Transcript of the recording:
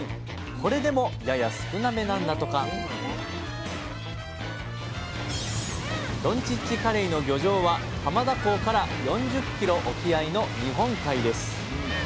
これでもやや少なめなんだとかどんちっちカレイの漁場は浜田港から４０ｋｍ沖合の日本海です。